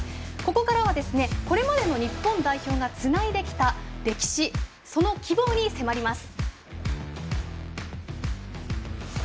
ここからは、これまでの日本代表がつないできた歴史その希望に迫ります。